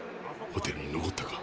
ホテルに残ったか。